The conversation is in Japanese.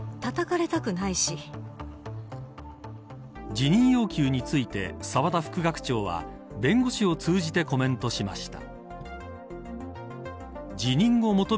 辞任要求について澤田副学長は弁護士を通じてコメントしました。